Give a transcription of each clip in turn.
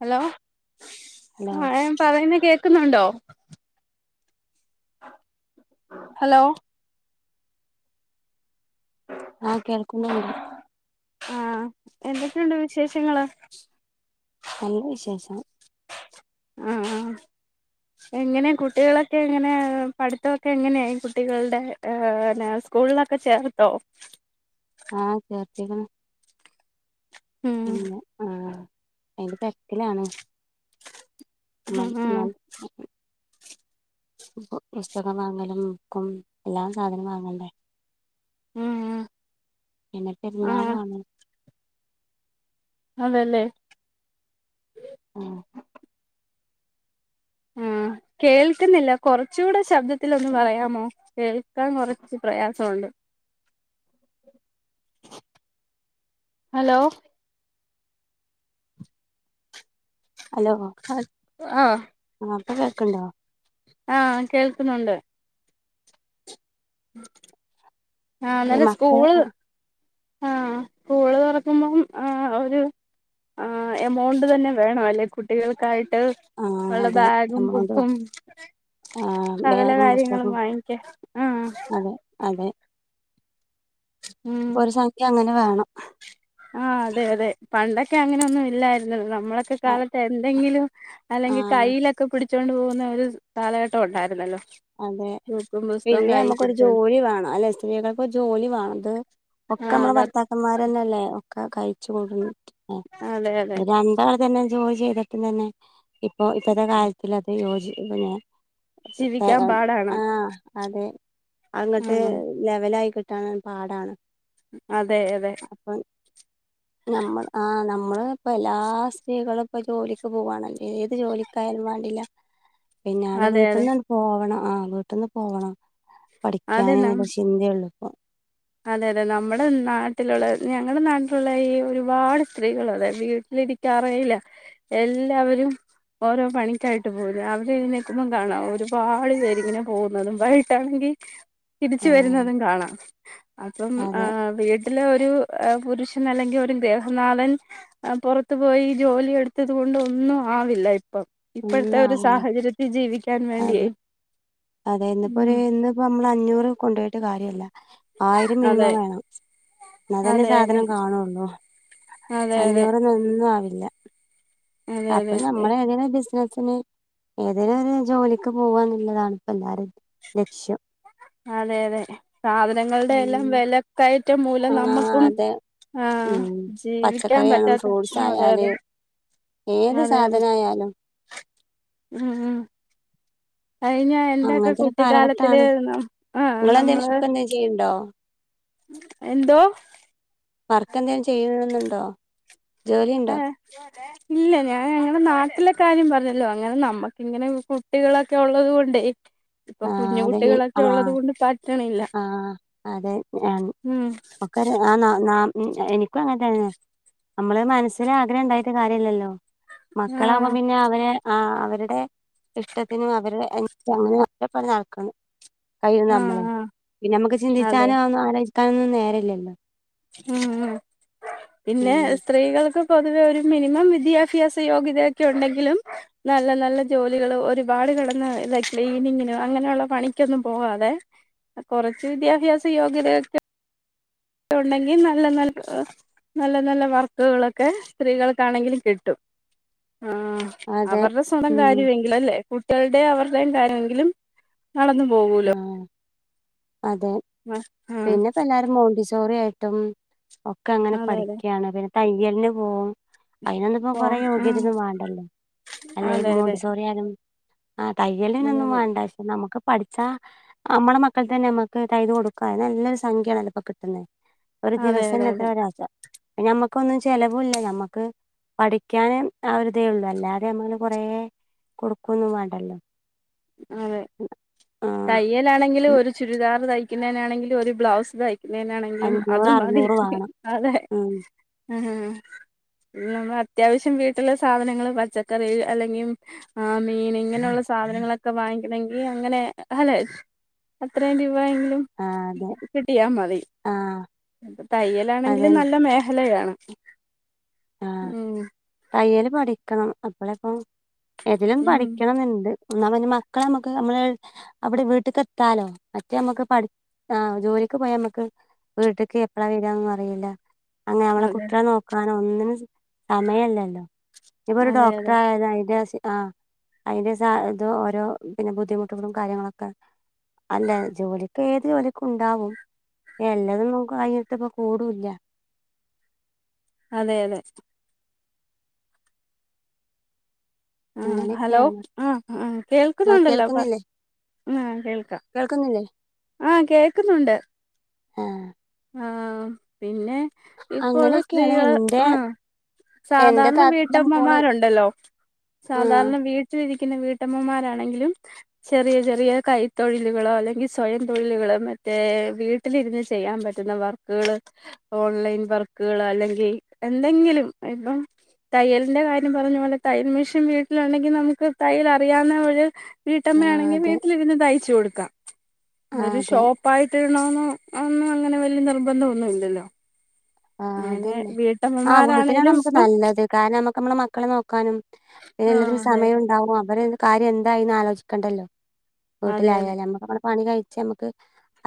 Hello hello ആ ഞാൻ പറയുന്ന കേൾക്കുന്നുണ്ടോ ഹലോ ആഹ് കേൾക്കുന്നുണ്ട് ആഹ് എന്തൊക്കെയുണ്ട് വിശേഷങ്ങള് നല്ല വിശേഷം ആഹ്ആഹ് എങ്ങനെ കുട്ടികളൊക്കെ എങ്ങനെ പഠിത്തമൊക്കെ എങ്ങനെയായി കുട്ടികളുടെ ആഹ് സ്കൂളിലൊക്കെ ചേർത്തോ ആഹ് ചേർത്തിക്കണു ഉം പിന്നെ ആഹ് അതിന്റെ തെരക്കിലാണ് ആ [unintelligible] പുസ്തകം വാങ്ങലും ബുക്കും എല്ലാം സാധനം വാങ്ങണ്ടേ. ഉം എന്നെ ആ പെരുന്നാൾ വണ [unintelligible] അതേലെ ഉം ഉം കേൾക്കുന്നില്ല കുറച്ചുകൂടെ ശബ്ദത്തില് ശബ്ദത്തിൽ ഒന്ന് പറയാമോ കേൾക്കാൻ കുറച്ച് പ്രയാസമുണ്ട് ഹലോ ഹലോ അഹ് ആഹ്. ആഹ് ഇപ്പൊ കേൾക്ക്ണ്ടോ? ആഹ് കേൾക്കുന്നുണ്ട്. ആഹ് ഈ ഇന്നലെ മക്കള് സ്കൂൾ. സ്കൂൾ തുറക്കുമ്പോ ആ ഒരു ആഹ് എമൗണ്ട് തന്നെ വേണം അല്ലെ കുട്ടികൾക്കായിട്ട്. ആഹ് അവരുടെ അതെ ബാഗും എമൗണ്ട് ബുക്കും. ആഹ് സകല ബാഗും കാര്യങ്ങളും പുസ്തകവും വാങ്ങിക്കാൻ ആഹ് അതെ അതെ ഉം ഒരു സംഖ്യ അങ്ങനെ വേണം. ആഹ് അതെ അതെ പണ്ടൊക്കെ അങ്ങനൊന്നും ഇല്ലായിരുന്നു നമ്മളൊക്കെ കാലത്ത് എന്തെങ്കിലും അല്ലെങ്കിൽ ആഹ് കൈയിലൊക്കെ പിടിച്ചോണ്ട് പോകുന്ന ഒരു കാലഘട്ടം ഉണ്ടായിരുന്നല്ലോ. അതെ. ബുക്കും പുസ്തകവും പിന്നെ കൈ നമ്മക്കൊരു പിടിച്ചോണ്ട് ജോലി വേണം അല്ലെ സ്ത്രീകൾക്ക് ജോലി വേണം ഇത് ഒക്കെ ആഹ് നമ്മള് അത ഭർത്താ ക്കൻമാരന്നല്ലേ ഒക്കെ കഴിച്ച് കൂട്ട് അതെ അതെ [unintelligible] അല തന്നെ ജോലി ചെയ്തിട്ടും തന്നെ ഇപ്പൊ ഇപ്പത്തെ കാലത്തിൽ അത് യോജി പിന്നെ ജീവിക്കാൻ പാടാണ് ആഹ് അതെ അങ്ങട്ട് ഉം ലെവൽ ആയി കിട്ടാന് പാടാണ്. അതെ അതെ. അപ്പൊ നമ്മൾ ആഹ് നമ്മൾ ഇപ്പ എല്ലാ സ്ത്രീകളും ഇപ്പൊ ജോലിക്ക് പോവാണല്ലേ ഏത് ജോലിക്കായാലും വേണ്ടില്ല. പിന്നാടെ അതെ അതെ വീട്ട്ന്ന് [unintelligible] പോവണം ആഹ് വീട്ട്ന്ന് പോണം. അതെ പഠിക്ക്യാന് ന ന്ന്ല്ല ചിന്തേയുള്ളു ഇപ്പൊ അതെ അതെ നമ്മുടെ നാട്ടിലുള്ള ഞങ്ങളുടെ നാട്ടിലുള്ള ഈ ഒരുപാട് സ്ത്രീകള് അതെ വീട്ടിലി ഇരിക്കാറേയില്ല എല്ലാവരും. ഓരോ പണിക്കായിട്ട് പോരും രാവിലെ എഴുന്നേൽക്കുമ്പം കാണാം ഒരുപാട് പേര്ങ്ങനെ പോവുന്നതും [unintelligible] ട്ടാണെങ്കി തിരിച്ച് ആഹ് വരുന്നതും കാണാം അപ്പം ആ അതെ ഇല്ല ഒരു പുരുഷൻ അല്ലെങ്കി ഒരു ഗ്രഹനാഥൻ പുറത്തു പോയി ജോലി എടുത്തത് കൊണ്ട് ഒന്നും ആവില്ല ഇപ്പം ഇപ്പഴത്തെ ഒന്നും ഒരു ആവില്ല സാഹചര്യത്തിൽ ജീവിക്കാൻ അതെ വേണ്ടിയയ് ഇപ്പൊ നമ്മള് അഞ്ഞൂറ് കൊണ്ടോയിട്ട് കാര്യല്ല ആയിരം അതെ മിനിമം വേണം എന്നാ തന്നെ അതെ അതെ സാധനം കാണുള്ളൂ അതെ അതെ അഞ്ഞൂറ് ഇന്നൊന്നും ആവില്ല അതെ അതെ അപ്പൊ അതെ നമ്മള ഏതങ്കിലും ബിസിനസിന് ഏതേകിലും ഒരു ജോലിക്ക് പോവാന്ന്ല്ലതാണ് ഇപ്പോ എല്ലാരിം ലക്ഷ്യം അതെ അതെ സാധനങ്ങളുടെ എല്ലാം ഉം. വെലക്കയറ്റം മൂലം ആഹ് നമ്മക്കും അതെ ആഹ് ഉം ജീവിക്കാൻ പച്ചക്കറിയായാലും പറ്റാത്ത ഫ്രൂട്ട്സ് അതെ ആയാല് അതെ ഏത് അതെ അതെ സാധനയാലും ഉം ഉം കഴിഞ്ഞ എന്റെക്കെ അങ്ങനത്തെ ഒരു കുട്ടിക്കാലത്തില് കാലഘട്ടാണ്. ന ആ നിങ്ങളെന്തേലും നമ്മള് വർക്ക് എന്തേലും ചെയ്യണ്ടോ? എന്തോ വർക്ക് എന്തെങ്കിലും ചെയ്യണെന്നുണ്ടോ ജോലി ഉണ്ടോ [inaudible] അതെ ഇല്ല ഞാൻ അങ്ങനെ നാട്ടിലെ കാര്യം പറഞ്ഞല്ലോ അങ്ങനെ നമ്മക്ക്ങ്ങനെ കുട്ടികളൊക്കെ ഉള്ളത് കൊണ്ടേ ഇപ്പൊ ആഹ് കുഞ്ഞു അതെ കുട്ടികളൊക്കെ ഉള്ളത് ആഹ് കൊണ്ട് താൻ ആഹ് അതെ [unintelligible] ഉം ഒക്കെ [unintelligible] എനി ഒക്കെ അങ്ങൻത്തെന്നെ നമ്മള് മനസ്സിൽ ആഗ്രഹം ഉണ്ടായിട്ട് കാര്യം ഇല്ലല്ലോ ആ മക്കളവുമ്പോ പിന്നെ അവരെ ആ അവരുടെ ഇഷ്ടത്തിനു അവര് അങ്ങന ഓലെപ്പം നട ക്കണം അയിന് ആ നമ്മളെ ആ പിന്നെ നമ്മക്ക് അതെ ചിന്തിച്ചാനന്നും ആലോചിക്കാനൊന്നും നേരല്ലല്ലോ ഉം ഉം പിന്നെ സ് സ്ത്രീകൾക്ക് പൊതുവെ ഒരു മിനിമം വിദ്യാഭ്യാസ യോഗ്യതയൊക്കെ ഉണ്ടെങ്കിലും നല്ല നല്ല ജോലികള് ഒരുപാട് കിടന്ന് ക്ലീനിങ്ങിന് അങ്ങനെയുള്ള പണിക്കൊന്നും പോവാതെ കുറച്ച് വിദ്യാഭ്യാസ യോഗ്യത ഒക്കെ ഉണ്ടെങ്കിൽ നല്ല നല്ല നല്ല നല്ല വർക്കുകളൊക്കെ സ്ത്രീകൾക്കാണെങ്കിലും കിട്ടും ആഹ് അതെ അവരുടെ സ്വന്തം ഉം കാര്യമെങ്കിലും അല്ലെ കുട്ടികളുടെയും അവരുടെയും കാര്യമെങ്കിലും നടന്നു പോകും ആഹ് അതെ ആ പിന്നെ ഇപ്പം എല്ലാരും മോണ്ടി സോറി ആയിട്ടും ഒക്കെ അങ്ങനെ അതെ അതെ പഠിക്കയാണ് പിന്നെ തയ്യലിന് പോവും അയ്നൊന്നും ഇപ്പോ പോ കൊറെ ആ യോഗ്യത ഒന്നും വേണ്ടല്ലോ അല്ലേ അതെ അതെ മോണ്ടിസോറി ആക ആ അതെ തയ്യലിനൊന്നും അതെ വേണ്ട പക്ഷെ നമുക്ക് പഠ ച്ചാ നമ്മുടെ മക്കൾ തന്നെ നമ്മുക്ക് തൈത് കൊടുക്ക നല്ലൊരു സംഖ്യ ആണല്ലപ്പോ കിട്ടുന്നത് ഒരു അതെ ദിവസം തന്നെ അതെ എത്ര അതെ [unintelligible] നമ്മക്കൊന്നും ചിലവുല്ല നമ്മക്ക് പഠിക്കാന് ആ ഒരു ഇതേ ഉള്ളു അല്ലാതെ നമ്മൾ കൊറേ കൊടുക്കൊന്നും വേണ്ടല്ലോ അതെ ആഹ് തയ്യലാണെങ്കിലും ഒരു ചുരിദാർ തയ്ക്കുന്നതിനാണെങ്കിലും ഒരു ബ്ലൗസ് തയ്ക്കു നാണെങ്കിലും അഞ്ഞൂറ് അതും മതി അറുന്നൂറ് വേണം അതെ ഉം നമ്മൾ അത്യാവശ്യം വീട്ടിലുള്ള സാധനങ്ങള് പച്ചക്കറി അല്ലെങ്കിൽ ആ മീൻ ഇങ്ങനെയുള്ള സാധനങ്ങളൊക്കെ വാങ്ങിക്കണങ്കിൽ അങ്ങനെ അലെ അത്രയും രൂപ എങ്കിലും ആഹ് അതെ കിട്ടിയാൽ മതി ആഹ് അപ്പ തയ്യലാണെങ്കിലും അതന്നെ നല്ല മേഖലയാണ് ഉം തയ്യൽ പഠിക്കണം അപ്പളേ ഇപ്പ ഏതെങ്കിലും ഉം പഠിക്കണം എന്നുണ്ട് ന്നാ പിന്നെ മക്കളെ നമ്മുക്ക് നമ്മള് അവിടെ വീട്ട്ക്കെത്താലോ മറ്റേ നമ്മുക്ക് പഠി ആഹ് ജോലിക്ക് പോയാമ്മക്ക് വീട്ട്ക്ക് എപ്പളാ വരാന്നോന്നും അറീല്ല അങ്ങനെ അമ്മളെ അതെ കുട്ടികളെ നോക്കാനൊ ഒന്നിനു സ സമയല്ലല്ലോ ഇനിപ്പോ ഒരു അതെ അതെ ഡോക്ട്രായാലും അയ്ന്റെ സ് ആഹ് അയ്ന്റെ സ ഇത് ഓരോ പിന്നെ ബുദ്ധിമുട്ടുകളും കാര്യങ്ങളൊക്കെ അല്ല ജോലിക്കേത് ജോലിക്കുണ്ടാവും എല്ലതൊന്നും കഴിഞ്ഞിട്ടിപ്പം കൂടൂല്ല അതെ അതെ ആഹ് ഹലോ അങ്ങനെയൊക്കെയാണ്. ആഹ് ആഹ് ആഹ് കേൾക്കുന്നുണ്ടല്ലോ പറ കേൾക്കുന്നില്ലേ ആഹ് കേൾക്കാം കേൾക്കുന്നില്ലേ ആഹ് കേൾക്കുന്നുണ്ട് ആഹ് ആഹ് പിന്നെ ഇപ്പോ ഉള്ള അങ്ങനെയൊക്കെയാണ് സ്ത്രീകള് എന്റെ ഉം എന്റെ സാധാരണ താത്തന്റെ മോള് വീട്ടമ്മമാരുണ്ടല്ലോ ആഹ് സാധാരണ വീ ട്ടിലിരിക്കുന്ന വീട്ടമ്മമാരാണെങ്കിലും ചെറിയ ചെറിയ കൈത്തൊഴിലുകളോ അല്ലെങ്കി സ്വയം തൊഴിലുകളോ മറ്റേ വീട്ടിലിരുന്ന് ചെയ്യാൻ പറ്റ് റ്റുന്ന വർക്ക്ള് ഓൺലൈൻ വർക്കള് അല്ലെങ്കി എന്തെങ്കിലും ഇപ്പം തയ്യലിന്റെ കാര്യം പറഞ്ഞ പോലെ തയ്യൽ മെഷീൻ വീട്ടിലുണ്ടെങ്കിൽ നമുക്ക് തയ്യൽ അറിയാവുന്ന ഒരു ആഹ് വീട്ടമ്മയാണെങ്കിൽ അതെ വീട്ടിലിരുന്ന് തയ്ച്ചു കൊടുക്കാം ആഹ് ഇതോരു അതെ ഷോ പ്പായിട്ടിടണമെന്നോ ഒന്നുഅങ്ങനെ വല്ല്യ നിർബന്ധഒന്നു ഇല്ലല്ലോ? ആഹ് അങ്ങനെ അതന്നെ ആഹ് വീട്ടമ്മമാരാണേലും വീട്ടിലാണമ്മക്ക് ഇപ്പം നല്ലത് കാരണം നമ്മക്അമ്മളെ മക്കള നോക്കാനും ആഹ് എല്ലത്തിനും അതെ സമയ അതെ ഉണ്ടാവും അവരെ കാര്യ എന്തായിന്നാ അലോചിക്കണ്ടല്ലോ അതെ അതെ വീട്ടിലായാല് അമ്മക്കഅ പണി കഴിച്ച് അമ്മക്ക്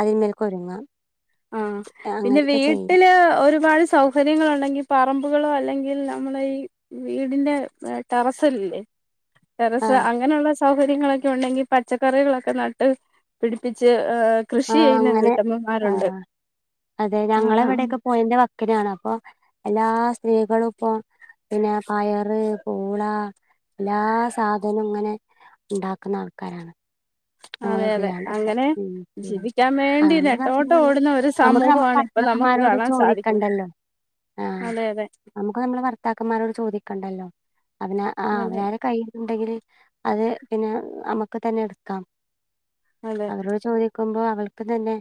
അതിന്മേൽക്കൊരുങ്ങാം ആഹ് പിന്നെ വീട്ടില് ഒരുപാട് സൗ സൗകര്യങ്ങളുണ്ടെങ്കിൽ പറമ്പുകളോ അല്ലെങ്കിൽ നമ്മള ഈ വീടിന്റെ ടെറസ്സ്ലല്ലേ ടെറസ് ആഹ് അങ്ങനെള്ള സൗകര്യങ്ങളൊക്കെ ഉണ്ടെങ്കി പച്ചക്കറികളൊക്കെ നട്ട് പിടിപ്പിച്ച് കൃഷി ആഹ് ചെയ്യുന്ന അങ്ങനെ വീട്ടമ്മമാരുണ്ട് ആഹ് അതെ ആഹ് ഞങ്ങളെവടെയ്ക്കെ പോയന്റെ വക്കിനാണ് അപ്പൊ എല്ലാ സ്ത്രീകളുപ്പോ പിന്നെ പയറ് പൂള എല്ലാ സാധനങ്ങളും ഇങ്ങനെ ണ്ടാക്ക്ണ അൾക്കാരാണ് അതെ അതെ അങ്ങനെ ഉം ചെയ്യണം ജീവിക്കാവേണ്ടി അങ്ങനെ നെട്ടോട്ടം പറഞ്ഞാല് ഓടുന്ന ഒരു നമുക്ക് നമ്മുടെ സമൂഹമാണ് പ്പം നമുക്ക് ഭർത്താക്കന്മാരോട് കാണാൻ സാധിക്കും ചോദിക്കണ്ടല്ലോ. അതെ അതെ അപ്പമ്മളെ ഭർത്താക്കന്മാരോട് ചോദിക്കണ്ടല്ലോ അതിന ആഹ് അതെ അവനരെ കയ്യില്ണ്ടെങ്കി അത് പിന്നെ അമ്മക്ക് തന്നെഇട്ക്കാം ആണ് അവരോട് ചോദിക്കുമ്പോ അവൾക്ക് തന്നെ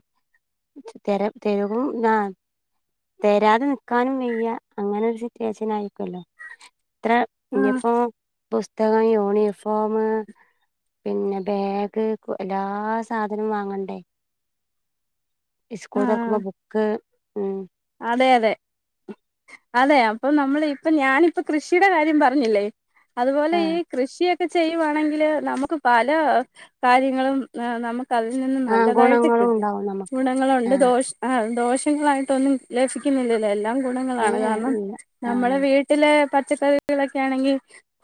തെര തെര് വും ഞാ തെരാതെ നിക്കാനും വെയ്യ അങ്ങനരു സിറ്റിവേസ്ഷനായിരിക്കുവല്ലോ ത്ര ആഹ് ഞ്പ്പോ പുസ്തകം യൂണിഫോം പിന്നെ ബേ ക്ക് ഇപ്പോ എല്ലാസാധനും വാങ്ങണ്ടേ ഈ സ്കൂൾ തോർക്കുമ്പ ആഹ് ബുക്ക് ഉം അതെ അതെ ഇ അതേ അപ്പം നമ്മള് ഇപ്പം ഞാനിപ്പം കൃഷീടെ കാര്യം പറഞ്ഞില്ലേ? അത്പോലെ ആ ഈ കൃഷിയ ക്ക ചെയ്യുവാണെങ്കിൽ നമുക്ക് പല കാര്യങ്ങളും ആഹ് നമുക്ക് ട്ടതിൽ നിന്നും ആഹ് നല്ലതായിട്ട് ഗുണങ്ങളും കിട്ടും ഉണ്ടാവും നമുക്ക് ഗുണങ്ങളുണ്ട് ആഹ് ദോശ് ആഹ് ദോഷങ്ങളായിട്ടൊന്നും ലഫിക്കുന്നില്ലല്ലോ എല്ലാം ഗുണങ്ങളാണ് ഏഹ് കാരണം ഇല്ല നമ്മളെ ആഹ് വീട്ടിലേ പച്ചക്കറികളൊക്കെ ആണെങ്കി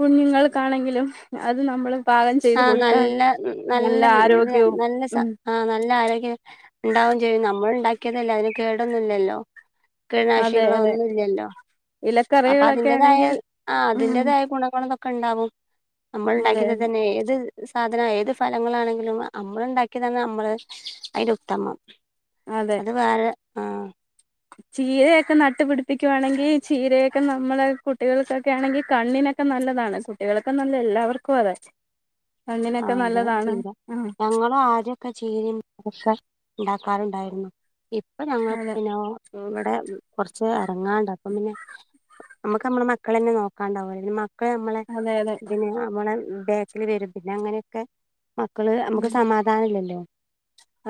കുഞ്ഞുങ്ങൾക്കാണെങ്കിലും അത് നമ്മള് പാകം ചെയ്ത് ആഹ് കൊടുത്താൽ നല്ല മം നല്ല നല്ലവിത് ആരോഗ്യവും നല്ല സ ഉം ആഹ് നല്ല ആരോഗ്യം ഉണ്ടാവുചെയ്യും നമ്മള് ഉണ്ടാക്കിയതല്ലേ അയ്ന് കേടൊന്നുല്ലല്ലോ അതെ കീടനാശിനികളോ അതെ ഒന്നും ഇല്ലല്ലോ അപ്പൊ ഇലക്കറികളൊക്കെ അതിൻ്റെതായ, ആണെങ്കിൽ ആഹ് ഉം അതിൻ്റെതായ ഗുണങ്ങളൊക്കെ ഉണ്ടാവും നമ്മൾ അതെ ഉണ്ടാക്കി അതെ ഏത് സാധനാ, ഏത് ഫലങ്ങളാണെങ്കിലും നമ്മള് ഉണ്ടാക്കിയതാണ് നമ്മള് അതിനുത്തമം. അതെ അത് വേറെ ആഹ് ചീരയൊക്കെ നട്ടുപിടിപ്പിക്കുവാണെങ്കിൽ, ചീരയൊക്കെ നമ്മളെ കുട്ടികൾക്കൊക്കെ ആണെങ്കിൽ കണ്ണിനൊക്കെ നല്ലതാണ്. കുട്ടികൾക്ക് എന്നല്ല എല്ലാവർക്കും അതെ കണ്ണിനൊക്കെ ആഹ് അതെ നല്ലതാണ് ചീരാ. ആഹ് ഞങ്ങളും ആദ്യം ചീരയൊക്കെ ഉണ്ടാക്കാറുണ്ടായിരുന്നു. ഇപ്പൊ ഞങ്ങൾ അതെ പിന്നെ ഇവിടെ കൊറച്ച് ഇറങ്ങാണ്ട്, അപ്പം പിന്നെ നമുക്ക് നമ്മളെ മക്കളെ തന്നെ നോക്കാണ്ടാവു മക്കള് നമ്മളെ, അതെ അതെ പിന്നെ നമ്മളെ ബാക്കിൽ വരും. പിന്നെ അങ്ങനെയൊക്കെ മക്കള് നമുക്ക് ഉം സമാധാനം ഇല്ലല്ലോ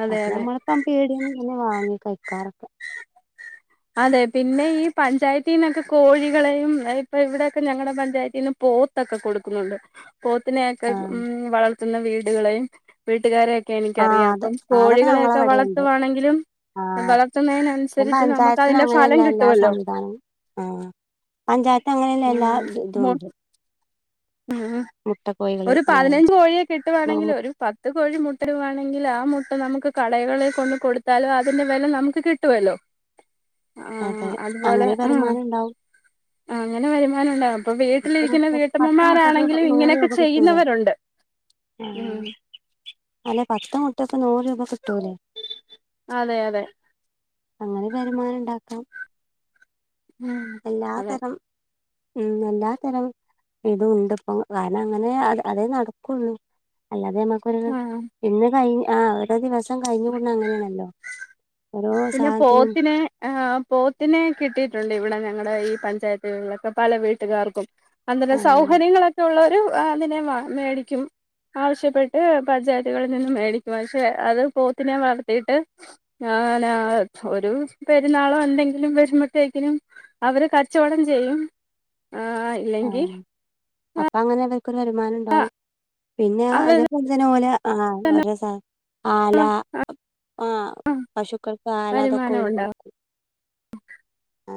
അതെ അപ്പം അതെ നമ്മൾ ഇപ്പ പീടിയേന്ന് തന്നെ വാങ്ങി കഴിക്കാറൊക്കെ അതെ പിന്നെ ഈ പഞ്ചായത്തിന്നൊക്കെ കോഴികളെയും ഇപ്പൊ ഇവിടൊ ക്കെ ഞങ്ങളുടെ പഞ്ചായത്തിൽ നിന്ന് പോ ത്തൊക്കെ കൊടുക്കുന്നുണ്ട് പോത്തിനെയൊക്കെ ആഹ് വളർത്തുന്ന വീടുകളെയും വീട്ടുകാരെയൊക്കെ ആഹ് എനിക്കറിയാം അത് അപ്പം അതൊക്കെ കോഴികളെയൊക്കെ ഞങ്ങളവിടെയുണ്ട് വളർത്തുവാണെങ്കിലും വളർത്തുന്നതിനന്നുസരിച്ച് നമുക്ക് ഇവിടെ അതിന്റെ അങ്ങനെയൊന്നു ഫലം അല്ല എല്ലാം കിട്ടുവല്ലോ സ്വന്തമാണ് പഞ്ചായത്ത് അങ്ങനെയല്ല ഉം എല്ലാ ഇതും മു ഉണ്ട് മുട്ട കോഴികള് ഒരു പതിനഞ്ച് കോഴിയൊക്കെ കിട്ടുവാണെങ്കിൽ ആഹ് ഒരു പത്ത് കോഴി മുട്ട ഇടുവാണെങ്കിലും ആ മുട്ട നമുക്ക് കടകളിൽ കൊണ്ട് കൊടുത്താലും അതിന്റെ വില നമുക്ക് കിട്ടുല്ലോ അതെ ആഹ അതുപോലെ അങ്ങനെ ഒരു ആ വരുമാനം ഉണ്ടാവും ആ അങ്ങനെ വരുമാനം ഉണ്ടാവും അപ്പം ഇപ്പൊ വീട്ടിരിക്കുന്ന പ- വീട്ടമ്മ പത്ത് മുട്ടക്ക് ഇപ്പം നൂറ് രൂപ കിട്ടൂലേ ഏ ഉം അല്ല പത്ത് മുട്ട ഇപ്പം നൂറ് രൂപ കിട്ടൂലേ അതെ അതെ അങ്ങനെ വരുമാനം ഇണ്ടാക്കാം ഉം അതെ എല്ലാതരം ഉം എല്ലാതരം ഇത് ഉണ്ട് ഇപ്പൊ കാരണം അങ്ങനെ അത് അതേ നടക്കുള്ളൂ അല്ലാതെ ഞമ്മക്ക് ആ ഇന്ന് കഴിഞ്ഞ് ആ ഒരോ ദിവസം കഴിഞ്ഞ് കൂടുന്നത് അങ്ങനെയാണല്ലോ ഓരോ പിന്നെ സാധനത്തിനും പോത്തിനെ ആ പോത്തിനെ കിട്ടിയിട്ടുണ്ട് ഇവിടെ ഞങ്ങളുടെ ഈ പഞ്ചായത്തുകളിലൊക്കെ പല വീട്ടുകാർക്കും അത ആ എന്താന്നറിയോ സൗകര്യങ്ങളൊക്കെ ഉള്ളവര് അതിനെ മേടിക്കും ആവശ്യപ്പെട്ട് പഞ്ചായത്തുകളിൽ നിന്നും മേടിക്കും പക്ഷെ അത് പോത്തിനെ വളർത്തിയിട്ട് ഒരു പെരുന്നാളോ എന്തെങ്കിലും വരുമ്പത്തേക്കിനും അവര് കച്ചവടം ചെയ്യും ആ ആ ഇല്ലെങ്കി അപ്പൊ അങ്ങനെ അവർക്കൊരു വരുമാനം ഉണ്ടാവും പിന്നെ അവര് അതേപോലെ തന്നെ ഓല ആ ഓരോ സാധനം ആല ആ പശുക്കൾക്ക് ആല അതൊക്കെ വരുമാനം ഓല് ഉണ്ടാവും കൊടുക്കും ആ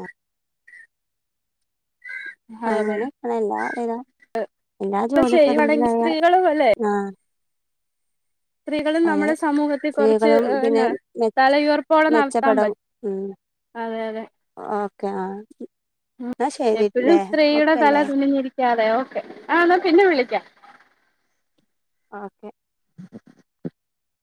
അതെ അങ്ങനെ ആ എല്ലാ എല്ലാ ജോലിയൊക്കും ചെയ്യുവാണെങ്കിൽ അതിന്റേതായ സ്ത്രീകളും അല്ലേ ആ സ്ത്രീകളും നമ്മുടെ സമൂഹത്തിൽ കുറച്ച് സ്ത്രീകളും പിന്നെ പിന്ന മെ തലയുറപ്പോടെ നടത്താൻ മെച്ചപ്പെടും പറ്റും ഉം അതെ അതെ ഓക്കെ ആ എപ്പോഴും സ്ത്രീയുടെ തല കുനിഞ്ഞിരിക്കാതെ ഓക്കെ ആണോ പിന്നെ വിളിക്കാം ഓക്കെ [inaudible]